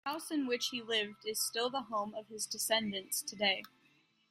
The house in which he lived is still the home of his descendants today.